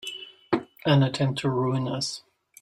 An attempt to ruin us!